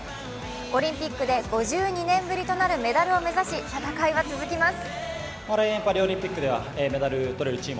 オリンピックで５２年ぶりとなるメダルを目指し戦いは続きます。